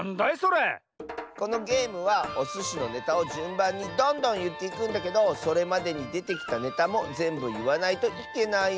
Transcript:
このゲームはおすしのネタをじゅんばんにどんどんいっていくんだけどそれまでにでてきたネタもぜんぶいわないといけないんだ。